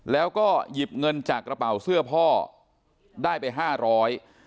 แล้วก็หยิบเงินจากกระเป๋าเสื้อพ่อได้ไปห้าร้อย